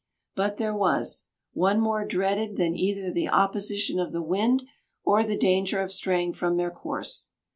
But there was, one more dreaded than either the opposition of the wind or the danger of straying from their course.